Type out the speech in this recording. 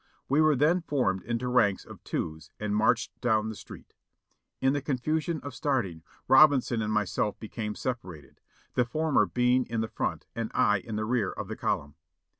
We were then formed into ranks of twos and marched down the street. In the confusion of starting, Robinson and my self became separated ; the former being in the front and I in the rear of the column.